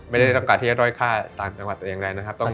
ไม่ได้ต้องการที่จะด้อยค่าต่างจังหวัดแต่อย่างไรนะครับ